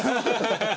ハハハハ！